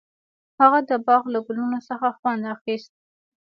هغه د باغ له ګلونو څخه خوند اخیست.